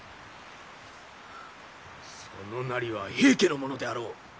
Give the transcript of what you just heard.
そのなりは平家の者であろう！